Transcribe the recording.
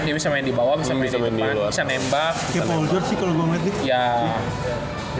dia bisa main di bawah bisa main di depan